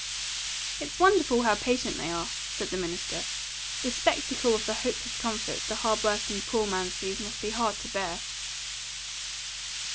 "It's wonderful how patient they are," said the minister. "The spectacle of the hopeless comfort the hard working poor man sees must be hard to bear."